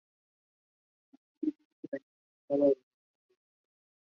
Antiguamente la industria estaba dominada por la pesca.